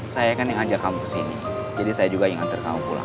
saya kan yang ngajak kamu kesini jadi saya juga yang ngantar kamu pulang